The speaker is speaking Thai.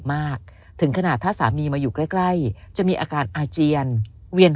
มากถึงขนาดถ้าสามีมาอยู่ใกล้จะมีอาการอาเจียนเวียน